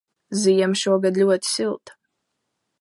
Ziema šogad ļoti silta.